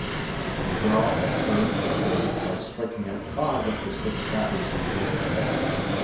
McGraw earned the save by striking out five of the six batters he faced.